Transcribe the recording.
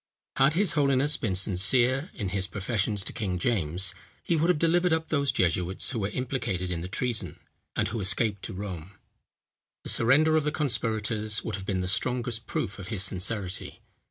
Had his holiness been sincere in his professions to King James, he would have delivered up those jesuits who were implicated in the treason, and who escaped to Rome. The surrender of the conspirators would have been the strongest proof of his sincerity.